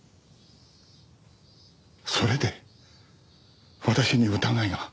それで私に疑いが？